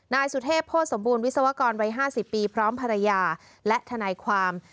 นายสุเทพโภษสมบูรณวิศวกรวัย๕๐ปีพร้อมภรรยาและทนายความ